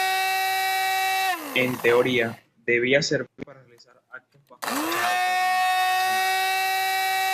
En teoría debía servir para realizar actos bajo techado pero nunca se hizo nada.